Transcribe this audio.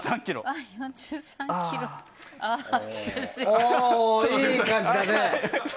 おお、いい感じだね。